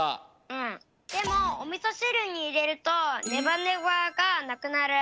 でもおみそしるにいれるとネバネバがなくなる。